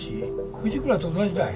藤倉と同じだ。